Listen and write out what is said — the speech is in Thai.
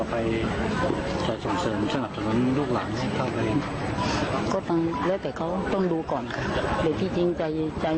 พ่อก็ตายเขายังอยู่ในท้องแม่เลย